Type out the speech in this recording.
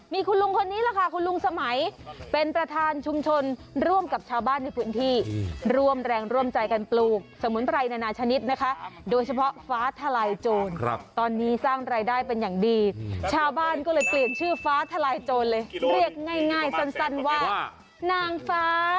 มีคุณลุงคนนี้แหละค่ะคุณลุงสมัยเป็นประธานชุมชนร่วมกับชาวบ้านในพื้นที่ร่วมแรงร่วมใจกันปลูกสมุนไพรนานาชนิดนะคะโดยเฉพาะฟ้าทลายโจรตอนนี้สร้างรายได้เป็นอย่างดีชาวบ้านก็เลยเปลี่ยนชื่อฟ้าทลายโจรเลยเรียกง่ายสั้นว่านางฟ้า